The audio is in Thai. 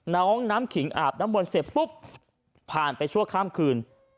น้องน้ำขิงอาบน้ำมนต์เสร็จปุ๊บผ่านไปชั่วข้ามคืน